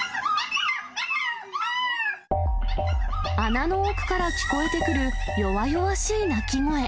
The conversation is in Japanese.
穴の奥から聞こえてくる弱々しい鳴き声。